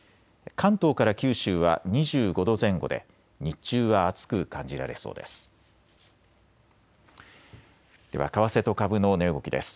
関東から九州は２５度前後で日中は暑く感じられそうです。